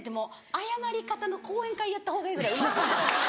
謝り方の講演会やった方がいいぐらいうまいんですよ。